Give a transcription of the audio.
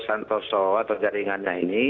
santoso atau jaringannya ini